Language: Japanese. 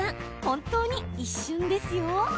本当に一瞬ですよ。